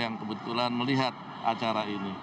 yang kebetulan melihat acara ini